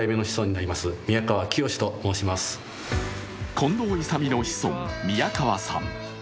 近藤勇の子孫、宮川さん。